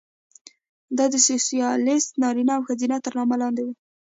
دا د سوسیالېست نارینه او ښځه تر نامه لاندې وه.